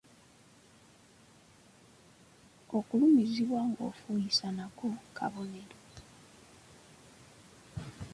Okulumizibwa ng’ofuuyisa nako kabonero.